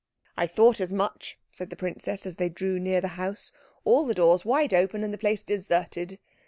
"I thought as much," said the princess, as they drew near the house. "All the doors wide open and the place deserted."